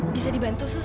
bisa dibantu sus